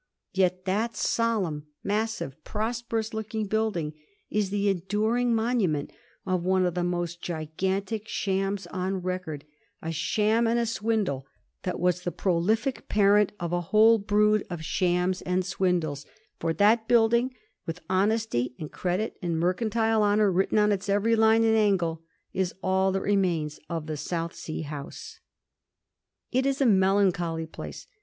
Yet that solemn, massive, prosperous looking building is the enduring monu ment of one of the most gigantic shams on record, a sham and swindle that was the prolific parent of a whole brood of shams and swindles ; for that building, with honesty and credit and mercantile honour written in its every line and angle, is all that remains of the South Sea House. It is a melancholy place.